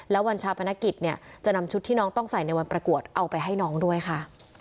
แล้ววันชาปนกิจเนี่ยจะนำชุดที่น้องต้องใส่ในวันประกวดเอาไปให้น้องด้วยค่ะ